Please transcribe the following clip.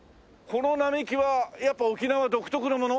この並木はやっぱ沖縄独特のもの？